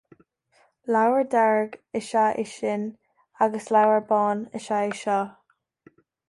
Leabhar dearg is ea é sin, agus leabhar bán is ea é seo